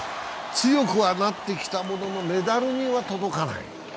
強くはなってきたもののメダルには届かない。